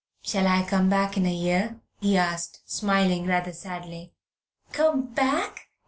"Shall I come back in a year?" he asked, smiling rather sadly. "Come back?